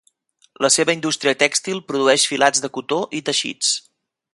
La seva indústria tèxtil produeix filats de cotó i teixits.